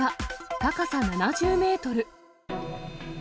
高さ７０メートル。